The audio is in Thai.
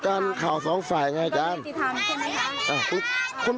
เขากล่าวหาใช่ไหม